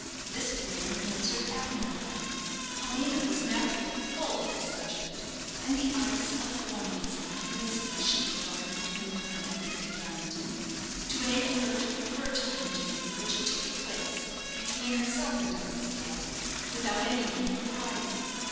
This plan answered admirably; Paulina was naturally full of the subject, and the ice of formalism had been sufficiently broken between her and Victor Carrington, to enable her to refer to the interview which had taken place between herself and Douglas Dale without any impropriety.